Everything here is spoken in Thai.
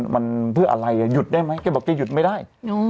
มันเพื่ออะไรหยุดได้ไหมแกบอกแกหยุดไม่ได้